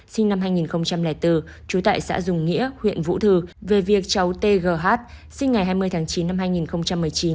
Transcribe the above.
sinh năm hai nghìn bốn trú tại xã dùng nghĩa huyện vũ thư về việc cháu tgh sinh ngày hai mươi tháng chín năm hai nghìn một mươi chín